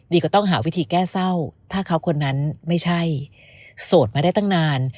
ก็ต้องหาวิธีแก้เศร้าถ้าเขาคนนั้นไม่ใช่โสดมาได้ตั้งนาน